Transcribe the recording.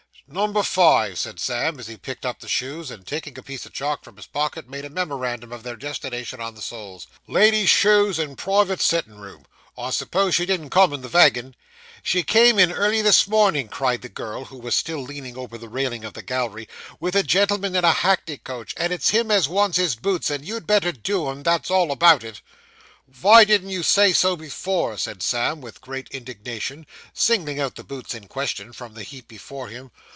'Number five,' said Sam, as he picked up the shoes, and taking a piece of chalk from his pocket, made a memorandum of their destination on the soles 'Lady's shoes and private sittin' room! I suppose she didn't come in the vagin.' 'She came in early this morning,' cried the girl, who was still leaning over the railing of the gallery, 'with a gentleman in a hackney coach, and it's him as wants his boots, and you'd better do 'em, that's all about it.' 'Vy didn't you say so before,' said Sam, with great indignation, singling out the boots in question from the heap before him.